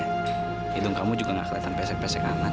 hidung kamu juga gak keliatan pesek pesek aman